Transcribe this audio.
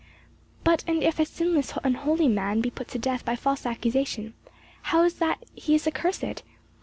"But and if a sinless and holy man be put to death by false accusation, how is it that he is accursed?